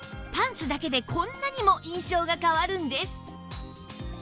パンツだけでこんなにも印象が変わるんです